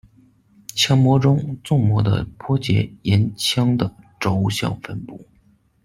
腔模中，纵模的波节沿着腔的轴向分布。